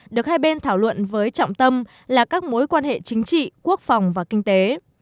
được hai bên thảo luận với trọng tâm là các mối quan hệ chính trị quốc phòng và kinh tế